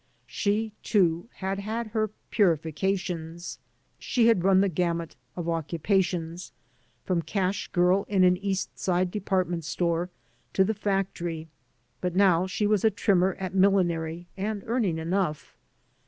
She, too, had had her purifications. She had run the gamut of occupations, from cash girl in an East Side department store to the factory, but now she was a trinmier at millinery and earning enough.